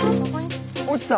落ちた。